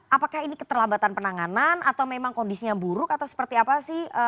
apakah ini keterlambatan penanganan atau memang kondisinya buruk atau seperti apa sih